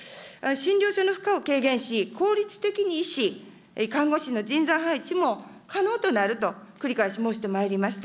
診療所の負荷を軽減し、効率的に医師、看護師の人材配置も可能であると繰り返し申してまいりました。